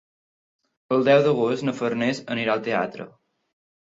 El deu d'agost na Farners anirà al teatre.